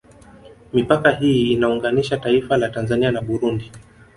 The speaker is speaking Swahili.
Mipaka hii inaunganisha taifa la Tanzania na Burundi